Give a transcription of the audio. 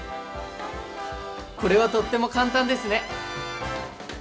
これはとっても簡単ですね！